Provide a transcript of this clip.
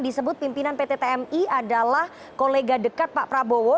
disebut pimpinan pt tmi adalah kolega dekat pak prabowo